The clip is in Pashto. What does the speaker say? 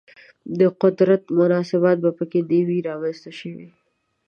د قدرت مناسبات په کې نه وي رامنځته شوي